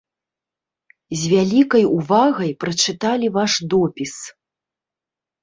З вялікай увагай прачыталі ваш допіс.